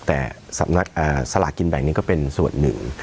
แต่สำนักสลากกินแบ่งนี้ก็เป็นส่วนหนึ่ง